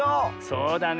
そうだね。